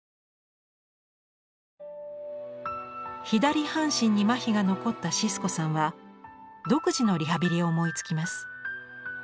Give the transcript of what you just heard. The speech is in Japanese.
左半身にまひが残ったシスコさんは独自のリハビリを思いつきます。